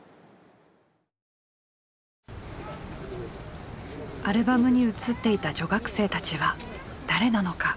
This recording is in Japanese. アルバムに写っていた女学生たちは誰なのか。